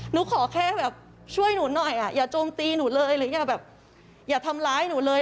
หนูขอแค่ช่วยหนูหน่อยอย่าโจมตีหนูเลยอย่าทำร้ายหนูเลย